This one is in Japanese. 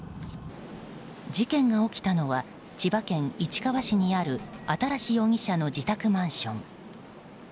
事件が起きたのは千葉県市川市にある新容疑者の自宅マンション。